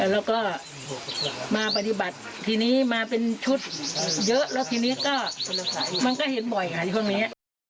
แล้วก็มาปฏิบัติทีนี้มาเป็นชุดเยอะแล้วทีนี้ก็มันก็เห็นบ่อยค่ะช่วงนี้